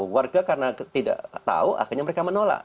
warga karena tidak tahu akhirnya mereka menolak